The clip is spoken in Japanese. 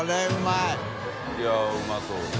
いやぁうまそうね。